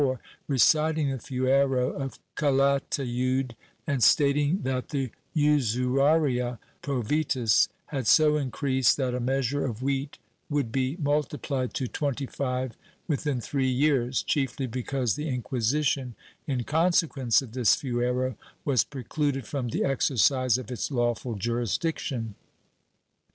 XVI] USURY ' 373 a motu proprio, January 14, 1504, reciting the fuero of Calatayud and stating that the usuraria pravitas had so increased that a measure of wheat would be multiphed to twenty five within three years, chiefly because the Inquisition, in consequence of this fuero, was precluded from the exercise of its lawful jurisdiction.